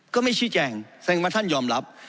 ก็ไม่ชี้แจงแสดงว่าท่านยอมรับ